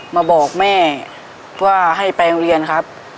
มาบอกแม่ว่าให้ไปโรงเรียนครับ